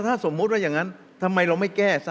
ถ้าสมมุติว่าอย่างนั้นทำไมเราไม่แก้ซะ